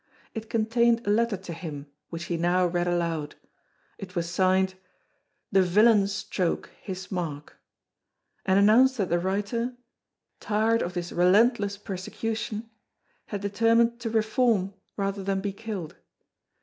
It contained a letter to him, which he now read aloud. It was signed "The Villain Stroke, his mark," and announced that the writer, "tired of this relentless persecution," had determined to reform rather than be killed.